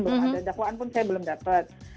belum ada dakwaan pun saya belum dapat